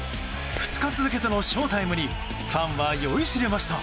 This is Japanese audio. ２日続けてのショータイムにファンは酔いしれました。